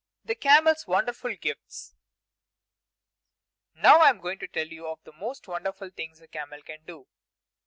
The Camel's Wonderful Gifts Now I am going to tell you of the most wonderful things a camel can do.